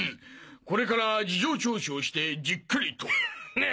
これから事情聴取をしてじっくりと。